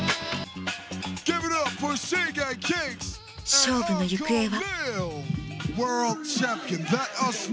勝負の行方は。